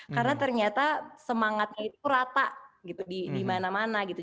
karena ternyata semangatnya itu rata gitu di mana mana gitu